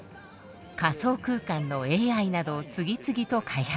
仮想空間のＡＩなど次々と開発。